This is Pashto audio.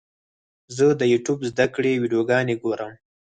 زه د یوټیوب زده کړې ویډیوګانې ګورم.